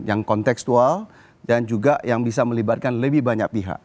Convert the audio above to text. yang konteksual dan juga yang bisa melibatkan lebih banyak pihak